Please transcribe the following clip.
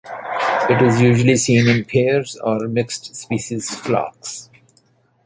It is usually seen in pairs or mixed-species flocks.